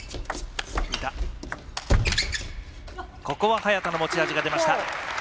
ここは、早田の持ち味が出ました。